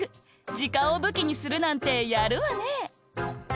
じかんをぶきにするなんてやるわね！